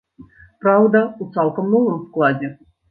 Праўда, у цалкам новым складзе.